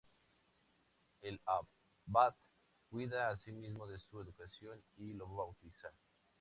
El abad cuida asimismo de su educación y lo bautiza.